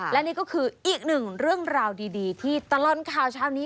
และนี่ก็คืออีกหนึ่งเรื่องราวดีที่ตลอดข่าวเช้านี้